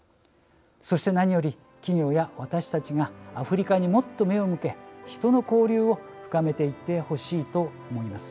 そして何より企業や私たちがアフリカにもっと目を向け人の交流を深めていってほしいと思います。